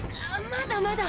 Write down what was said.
まだまだ。